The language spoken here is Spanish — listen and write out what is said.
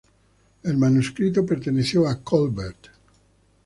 El manuscrito perteneció a Colbert.